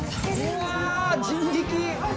うわー、人力。